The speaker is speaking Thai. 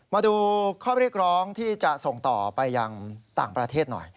มาดูข้อเรียกร้องที่จะส่งต่อไปยังต่างประเทศหน่อย